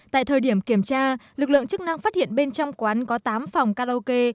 tại thời điểm kiểm tra lực lượng chức năng phát hiện bên trong quán có tám phòng karaoke